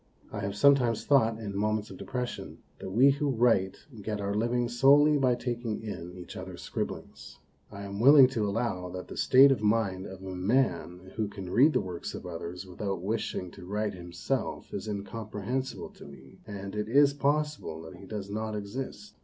I have sometimes thought, in moments of depression, that we who write get our living solely by taking in each other's scribblings. I am willing to allow that the state of mind of a man who can read the works of others without wishing to write himself is incomprehensible to me, and it is possible that he does not exist.